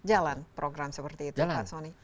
jalan program seperti itu pak soni